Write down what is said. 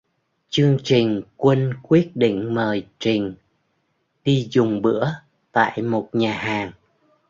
Chương trình quân quyết định mời trình đi dùng bữa tại một nhà hàng